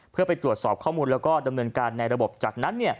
เพื่อไปตรวจสอบข้อมูลแล้วก็ดำเนินการในระบบจากนั้น